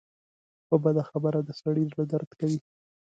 په بده خبره د سړي زړۀ دړد کوي